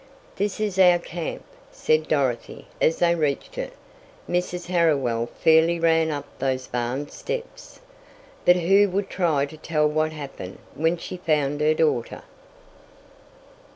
"This is our camp," said Dorothy, as they reached it. Mrs. Harriwell fairly ran up those barn steps. But who would try to tell what happened when she found her daughter?